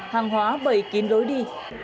hàng hóa bầy kín lối đi